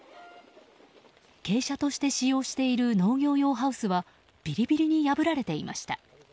鶏舎として使用している農業用ハウスはビリビリに破られていました。